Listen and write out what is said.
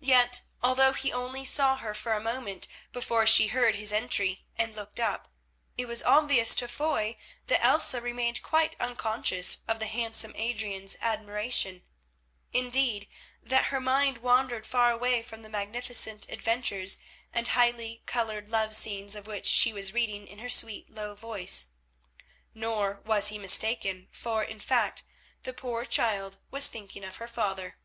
Yet, although he only saw her for a moment before she heard his entry and looked up, it was obvious to Foy that Elsa remained quite unconscious of the handsome Adrian's admiration, indeed, that her mind wandered far away from the magnificent adventures and highly coloured love scenes of which she was reading in her sweet, low voice. Nor was he mistaken, for, in fact, the poor child was thinking of her father.